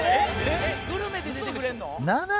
「えっグルメで出てくれるの？」